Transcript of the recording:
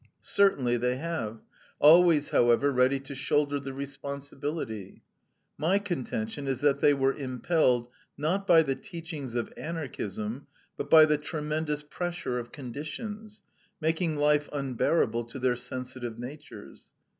Certainly they have, always however ready to shoulder the responsibility. My contention is that they were impelled, not by the teachings of Anarchism, but by the tremendous pressure of conditions, making life unbearable to their sensitive natures.